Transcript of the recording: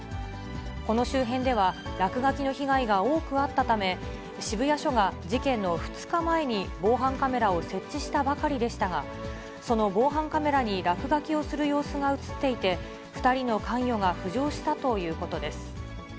この周辺では、落書きの被害が多くあったため、渋谷署が事件の２日前に防犯カメラを設置したばかりでしたが、その防犯カメラに落書きをする様子が写っていて、２人の関与が浮上したということです。